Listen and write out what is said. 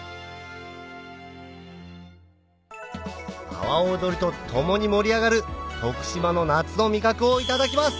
阿波おどりとともに盛り上がる徳島の夏の味覚をいただきます